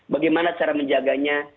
bagaimana cara menjaganya